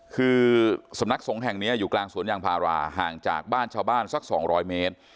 คือสำนักสงฆ์แห่งนี้อยู่กลางสวนยางพาราห่างจากบ้านชาวบ้านสัก๒๐๐เมตร